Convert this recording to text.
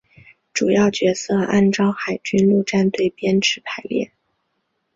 主要角色按照海军陆战队编制排列。